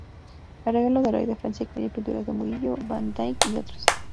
El regalo del Rey de Francia incluye pinturas de Murillo, Van Dyke y otros.